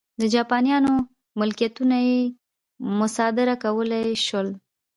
د جاپانیانو ملکیتونه یې مصادره کولای شول.